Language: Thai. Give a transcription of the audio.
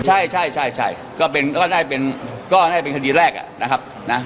ใช่ใช่ก็เป็นก็ได้เป็นก็ได้เป็นคดีแรกนะครับนะ